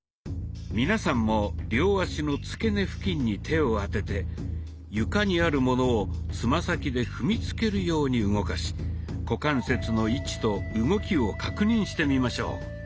皆さんも両足のつけ根付近に手を当てて床にあるものをつま先で踏みつけるように動かし股関節の位置と動きを確認してみましょう。